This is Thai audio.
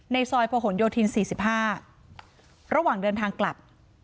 ซอยพหนโยธิน๔๕ระหว่างเดินทางกลับ